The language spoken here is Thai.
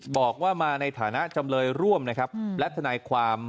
บอกว่ามาในฐานะจำเลยร่วมนะครับและทนายความ